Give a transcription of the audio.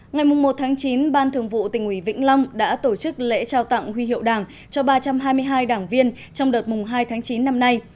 ngày một chín ban thường vụ tỉnh ủy vĩnh long đã tổ chức lễ trao tặng huy hiệu đảng cho ba trăm hai mươi hai đảng viên trong đợt hai tháng chín năm nay